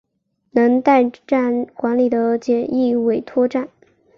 能代站管理的简易委托站。